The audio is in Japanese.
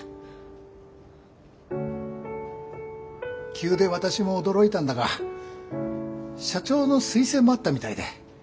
急で私も驚いたんだが社長の推薦もあったみたいで。